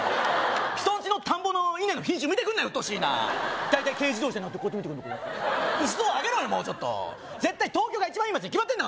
人んちの田んぼの稲の品種見てくんなようっとうしいな大体軽自動車乗ってこうやって見てくんのイスを上げろよもうちょっと絶対東京が一番いい街に決まってんだ